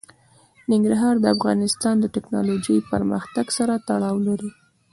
ننګرهار د افغانستان د تکنالوژۍ پرمختګ سره تړاو لري.